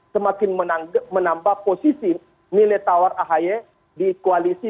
semakin menambah posisi milih tawar ahaye di koalisi